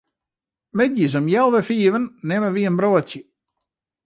Middeis om healwei fiven nimme wy in broadsje.